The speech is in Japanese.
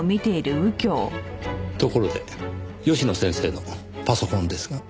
ところで吉野先生のパソコンですが。